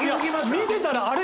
見てたらあれ？